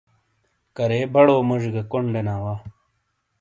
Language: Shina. کرے بڑو موجی گا کون دینا وا۔